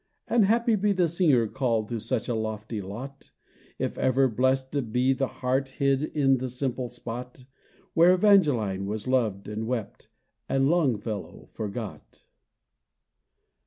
And happy be the singer called To such a lofty lot! And ever blessed be the heart Hid in the simple spot Where Evangeline was loved and wept, And Longfellow forgot.